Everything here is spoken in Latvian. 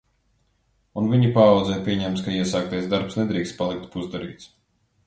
Un viņa paaudzē pieņemts, ka iesāktais darbs nedrīkst palikt pusdarīts.